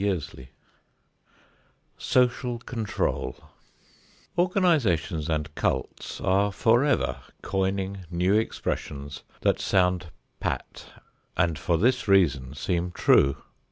XXVII SOCIAL CONTROL Organizations and cults are forever coining new expressions that sound "pat" and for this reason seem true.